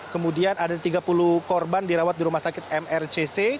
kemudian ada tiga puluh korban dirawat di rumah sakit mrcc